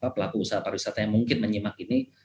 pelaku usaha pariwisata yang mungkin menyimak ini